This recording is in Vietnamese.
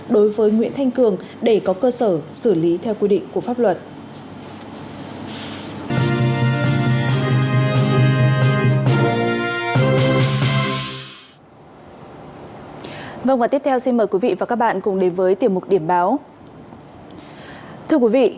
đối với nguyễn thanh cường để có cơ sở xử lý theo quy định của pháp luật